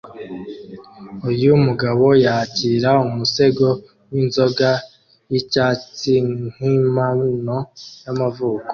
Uyu mugabo yakira umusego winzoga yicyatsi nkimpano y'amavuko